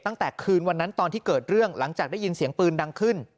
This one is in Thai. ตั้งแต่คืนวันนั้นตอนที่เกิดเรื่องหลังจากได้ยินเสียงปืนดังขึ้น